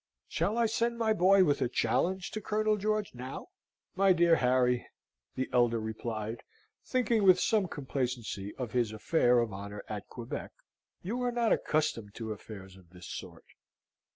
Shall I send my boy with a challenge to Colonel George now?" "My dear Harry," the elder replied, thinking with some complacency of his affair of honour at Quebec, "you are not accustomed to affairs of this sort."